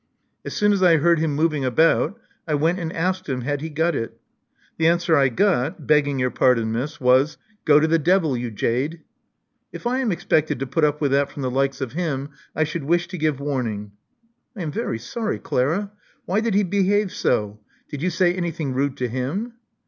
As soon as I heard him moving about, I went and asked him had he got it. The answer I got — ^begging your pardon, Miss — was, *Go to the devil, you jade.' If I am expected to put up with that from the likes of him, I should wish to give warning." • '*I am very sorry, Clara. Why did he behave so? Did yon say anything rude to him?"